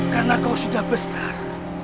karena kau sudah besar